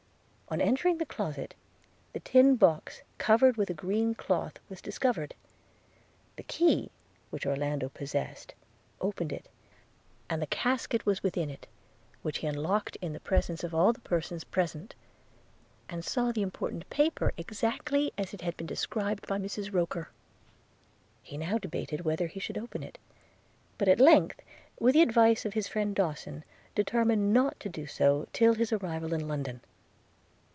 On entering the closet, the tin box, covered with a green cloth, was discovered. The key which Orlando possessed opened it, and the casket was within it; which he unlocked, in presence of all the persons present, and saw the important paper, exactly as it had been described by Mrs Roker. He now debated whether he should open it; but at length, with the advice of his friend Dawson, determined not to do so till his arrival in London.